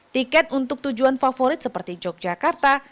tiket untuk tujuan favorit seperti yogyakarta